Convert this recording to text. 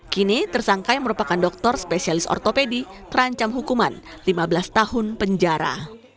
kini tersangka yang merupakan dokter spesialis ortopedi terancam hukuman lima belas tahun penjara